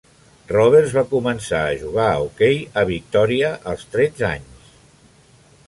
Roberts va començar a jugar a hoquei a Victòria als tretze anys.